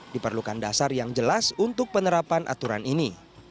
diperlukan dasar yang jelas untuk penerapan aturan ini